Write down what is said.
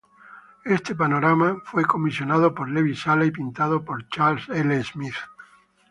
Este panorama fue comisionado por Levi Sala y pintado por Charles L. Smith.